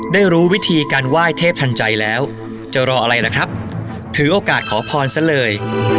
ได้รู้วิธีการไหว้เทพทันใจแล้วจะรออะไรล่ะครับถือโอกาสขอพรซะเลย